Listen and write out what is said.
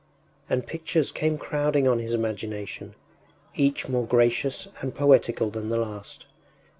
” And pictures came crowding on his imagination, each more gracious and poetical than the last.